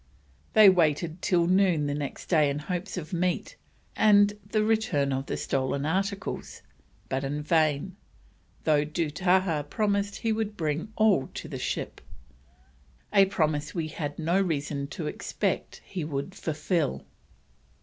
They waited till noon the next day in hopes of meat and the return of the stolen articles, but in vain, though Dootahah promised he would bring all to the ship "a promise we had no reason to expect he would fulfil."